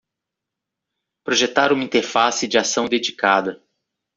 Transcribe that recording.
Projetar uma interface de ação dedicada